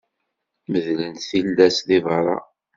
Medlent tillas deg beṛṛa.